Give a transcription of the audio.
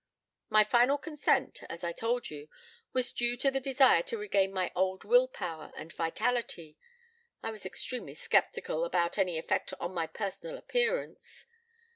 My final consent, as I told you, was due to the desire to regain my old will power and vitality. I was extremely skeptical about any effect on my personal appearance.